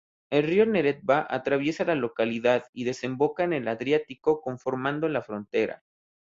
El río Neretva atraviesa la localidad y desemboca en el Adriático conformando la frontera.